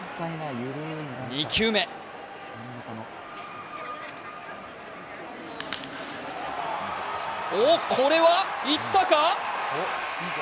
２球目おっ、これは行ったか？